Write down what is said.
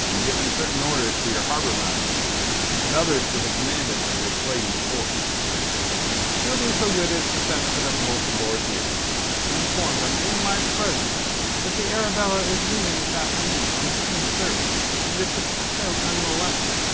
Ye've given certain orders to your Harbour Master, and others to the Commandant of your plaguey fort. Ye'll be so good as to send for them both aboard here, and inform them in my presence that the Arabella is leaving this afternoon on the King's service and is to pass out unmolested.